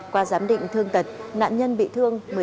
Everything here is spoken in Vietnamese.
qua giám định thương tật nạn nhân bị thương một mươi tám